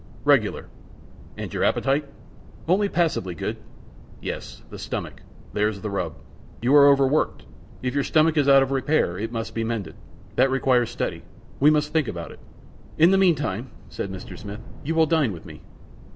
Regular! And your appetite?" "Only passably good." "Yes, the stomach. There's the rub. You are over worked. If your stomach is out of repair, it must be mended. That requires study. We must think about it." "In the meantime," said Mr. Smith, "you will dine with me."